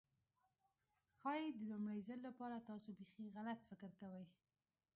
ښايي د لومړي ځل لپاره تاسو بيخي غلط فکر کوئ.